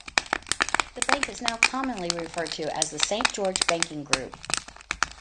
The bank is now commonly referred to as the St.George Banking Group.